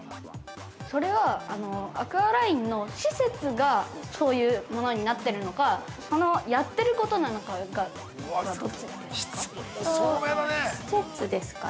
◆それは、アクアラインの施設がそういうものになっているのか、やっていることなのかが、どっちですか。